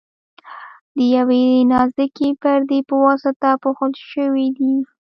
د یوې نازکې پردې په واسطه پوښل شوي دي.